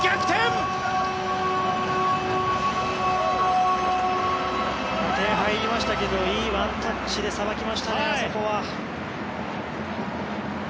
点入りましたけどいいワンタッチでさばきましたね。